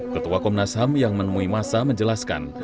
ketua komnas ham yang menemui masa menjelaskan